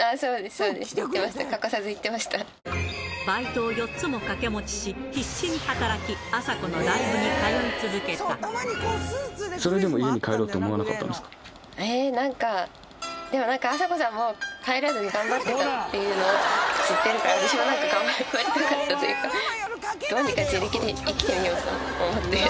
そうです、行ってました、バイトを４つも掛け持ちし、必死に働き、それでも家に帰ろうって思わえー、なんか、でもなんか、あさこさんも帰らずに頑張ってたっていうのを知ってるから、私も頑張りたかったというか、どうにか自力で生きてみようと思って。